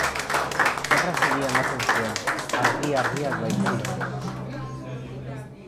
Errazegia ematen zuen, argi-argiak baitziren.